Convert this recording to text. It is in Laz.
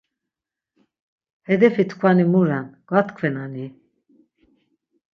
Hedefi tkvani mu ren, gatkvenani?